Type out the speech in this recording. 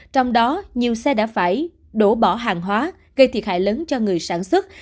trong đó nhiều xe đã phải đổ bỏ hàng hóa gây thiệt hại lớn cho người sản xuất